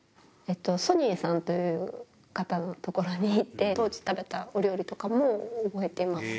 ソニエさんという方の所に行って、当時食べたお料理とかも覚えています。